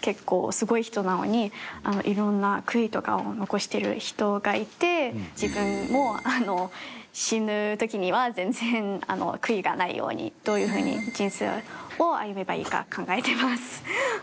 結構すごい人なのにいろんな悔いとかを残してる人がいて自分も死ぬ時には全然悔いがないようにどういう風に人生を歩めばいいか考えてます。